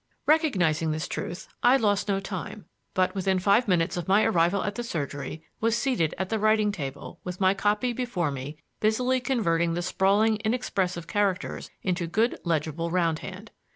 Recognizing this truth, I lost no time, but, within five minutes of my arrival at the surgery, was seated at the writing table with my copy before me busily converting the sprawling, inexpressive characters into good, legible round hand.